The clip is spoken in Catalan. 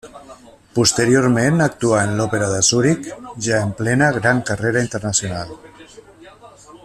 Posteriorment actuà en l'Òpera de Zuric ja en plena gran carrera internacional.